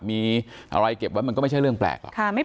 มีอะไรเก็บไว้มันก็ไม่ใช่เรื่องแปลกหรอก